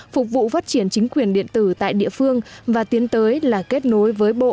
phục vụ phát triển chính quyền điện tử tại địa phương và tiến tới là kết nối với bộ